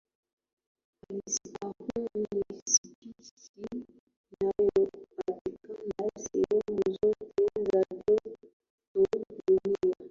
falciparum ni spishi inayopatikana sehemu zote za joto dunia